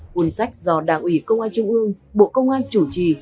cuốn sách do đảng ủy công an trung ương bộ công an chủ trì